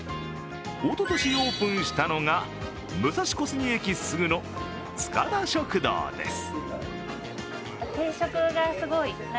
おととしオープンしたのが武蔵小杉駅すぐの、つかだ食堂です